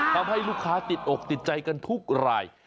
ทำให้ลูกค้าติดอกติดใจกันทุกราย